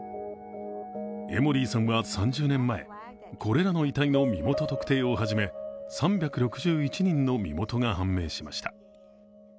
エモリーさんは３０年前これらの遺体の身元特定を始め３６１人の身元が判明しました。